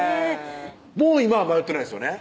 もう今は迷ってないですよね